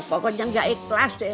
pokoknya gak ikhlas deh